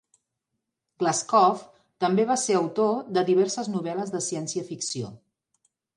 Glazkov també va ser autor de diverses novel·les de ciència-ficció.